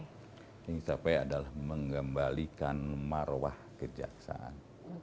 yang ingin capai adalah mengembalikan marwah kejaksaan